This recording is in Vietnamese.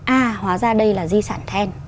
à hóa ra đây là di sản then